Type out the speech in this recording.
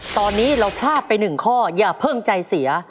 ตอนนี้เราพลาดไป๑ข้ออย่าเพิ่งใจเสีย